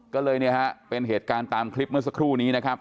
ก็เลยเนี่ยฮะเป็นเหตุการณ์ตามคลิปเมื่อสักครู่นี้นะครับ